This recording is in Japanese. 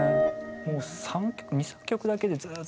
もう２３曲だけでずっと。